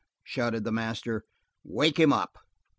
shouted the master, "wake him up!"